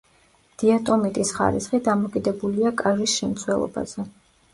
დიატომიტის ხარისხი დამოკიდებულია კაჟის შემცველობაზე.